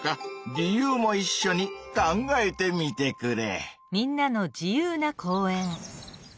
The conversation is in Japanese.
理由もいっしょに考えてみてくれ。